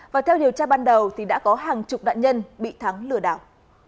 và theo điều tra ban đầu thì đã có hàng chục nạn nhân bị thắng lừa đảo